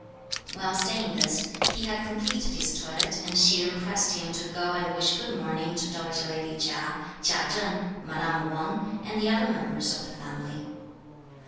While saying this, he had completed his toilette, and Hsi Jen pressed him to go and wish good morning to dowager lady Chia, Chia Cheng, madame Wang, and the other members of the family.